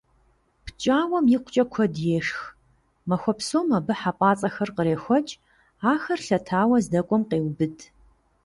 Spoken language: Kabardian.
ПкӀауэм икъукӀэ куэд ешх, махуэ псом абы хьэпӀацӀэхэр кърехуэкӀ, ахэр лъэтауэ здэкӀуэм къеубыд.